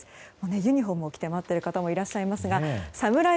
ユニホームを着て待っている方もいますがサムライ